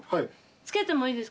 つけてもいいですか？